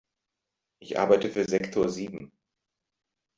Ich arbeite für Sektor sieben.